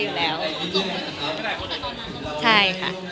ศึกษา